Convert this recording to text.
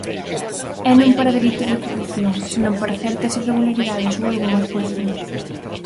E non para delitos de corrupción senón para certas irregularidades ou algunhas cuestións.